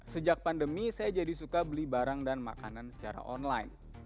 sejak pandemi saya jadi suka beli barang dan makanan secara online